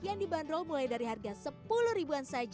yang dibanderol mulai dari harga sepuluh ribuan saja